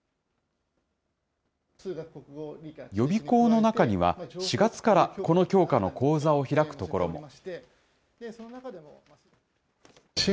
予備校の中には、４月からこの教科の講座を開くところも。